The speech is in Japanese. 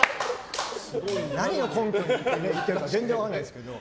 何を根拠に言ってるのか全然分かんないですけど。